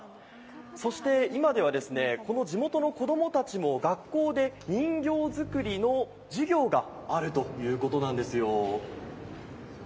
そして今では、地元の子供たちも学校で人形作りの授業があるということなんですよ。